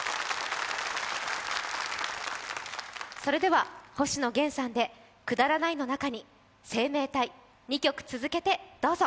それでは、星野源さんで「くだらないの中に」、「生命体」、２曲続けてどうぞ。